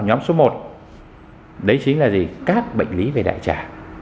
nhóm số một đấy chính là gì các bệnh lý về đại trả